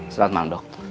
selamat malam dok